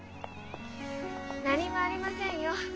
何もありませんよ。